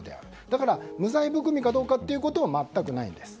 だから、無罪含みかどうかというのは全くないんです。